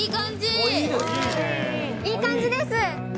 いい感じです。